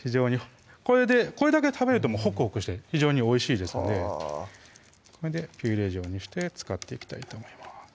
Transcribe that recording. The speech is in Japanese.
これだけで食べるとホクホクして非常においしいですのでこれでピューレ状にして使っていきたいと思います